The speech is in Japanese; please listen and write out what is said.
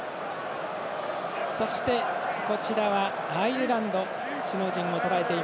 そして、アイルランド首脳陣です。